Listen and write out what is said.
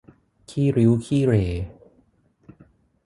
ขี้ริ้วขี้เหร่